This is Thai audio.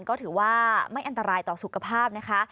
ก็ถือว่าไม่อันตรายต่อสุขภาพนะคะ